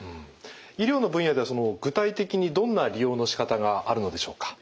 医療の分野では具体的にどんな利用のしかたがあるのでしょうか？